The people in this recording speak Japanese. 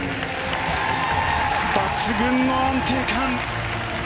抜群の安定感。